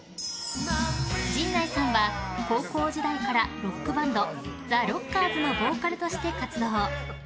陣内さんは、高校時代からロックバンド、ザ・ロッカーズのボーカルとして活動。